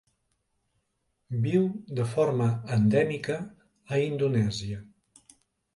Viu de forma endèmica a Indonèsia.